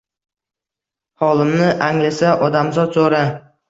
“Holimni anglasa odamzod zora